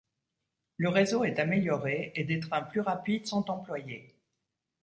Le réseau est amélioré et des trains plus rapides sont employés.